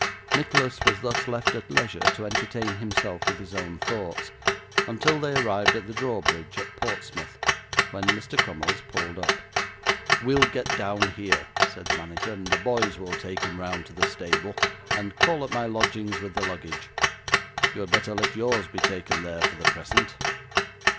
Nicholas was thus left at leisure to entertain himself with his own thoughts, until they arrived at the drawbridge at Portsmouth, when Mr. Crummles pulled up. 'We'll get down here,' said the manager, 'and the boys will take him round to the stable, and call at my lodgings with the luggage. You had better let yours be taken there, for the present.